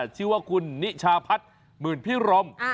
ชื่อว่าคุณนิชาพัฒน์หมื่นพิรม